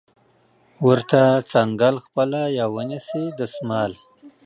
ورته څنګل خپله یا ونیسئ دستمال